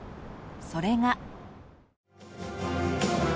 それが。